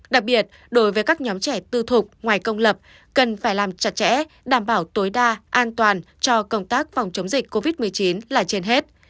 đặc biệt đối với các nhóm trẻ tư thục ngoài công lập cần phải làm chặt chẽ đảm bảo tối đa an toàn cho công tác phòng chống dịch covid một mươi chín là trên hết